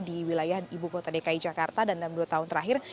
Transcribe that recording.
di wilayah ibu kota dki jakarta dan dalam dua tahun terakhir